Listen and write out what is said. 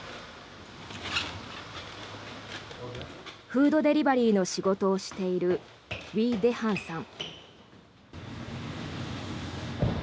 フードデリバリーの仕事をしているウィ・デハンさん。